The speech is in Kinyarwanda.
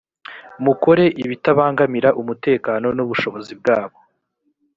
mukore ibitabangamira umutekano n ubushobozi bwabo.